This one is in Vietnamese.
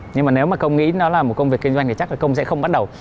nhưng mà nếu mà công nghĩ nó là một công việc kinh doanh thì chắc là công sẽ không bắt đầu